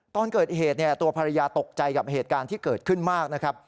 ตอนเกิดเหตุตัวภรรยาตกใจกับเหตุการณ์ที่เกิดขึ้นมากนะครับ